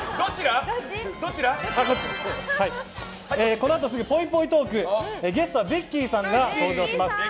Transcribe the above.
このあとすぐ、ぽいぽいトークゲストはベッキーさんが登場します。